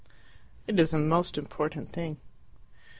"It is a most important thing."